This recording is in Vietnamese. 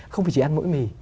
không phải chỉ ăn mỗi mì